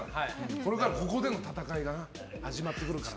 これからはここでの戦いが始まってくるから。